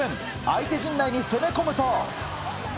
相手陣内に攻め込むと。